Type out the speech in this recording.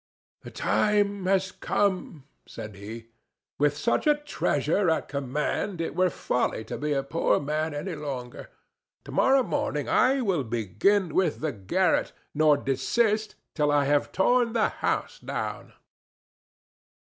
"The time is come," said he; "with such a treasure at command, it were folly to be a poor man any longer. Tomorrow morning I will begin with the garret, nor desist till I have torn the house down."